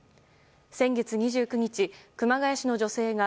先月２９日、熊谷市の女性が